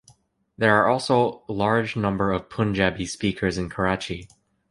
There are also large number of Punjabi speakers in Karachi.